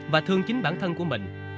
và thương chính bản thân của mình